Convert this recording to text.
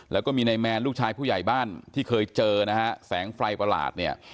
แล้วก็มีนายแมนลูกชายผู้ใหญ่บ้านที่เคยเจอนะฮะแสงไฟประหลาดเนี่ย